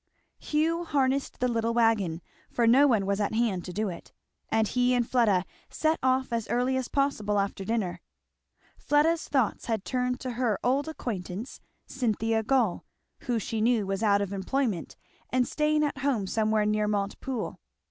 Hugh harnessed the little wagon, for no one was at hand to do it, and he and Fleda set off as early as possible after dinner. Fleda's thoughts had turned to her old acquaintance Cynthia Gall, who she knew was out of employment and staying at home somewhere near Montepoole.